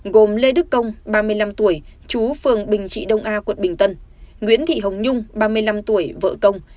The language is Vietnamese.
gồm lê đức công ba mươi năm tuổi chú phường bình trị đông a quận bình tân nguyễn thị hồng nhung ba mươi năm tuổi vợ công